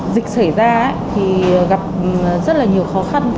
dịch xảy ra thì gặp rất là nhiều khó khăn